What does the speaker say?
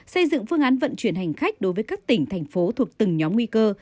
xây dựng phương án vận chuyển hành khách đối với các tỉnh thành phố thuộc từng nhóm nguy cơ